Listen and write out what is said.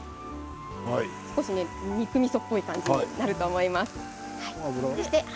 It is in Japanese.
少し、肉みそっぽい感じになると思います。